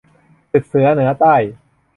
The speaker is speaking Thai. ศึกเสือเหนือใต้